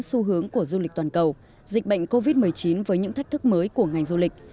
xu hướng của du lịch toàn cầu dịch bệnh covid một mươi chín với những thách thức mới của ngành du lịch